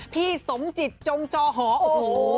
พี่สมจิตจงจอหอโอ้โห